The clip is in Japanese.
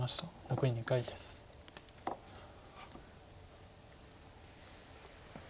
残り２回です。